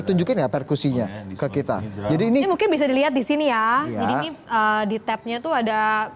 menunjukkan ya perkusinya ke kita jadi ini mungkin bisa dilihat di sini ya di tab nya tuh ada